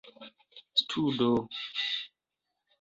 studo